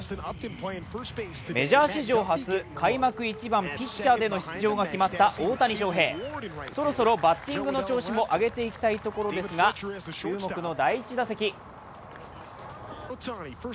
メジャー史上初、開幕１番ピッチャーでの出場が決まった大谷翔平、そろそろバッティングの調子も上げていきたいところですが、注目の第１打席。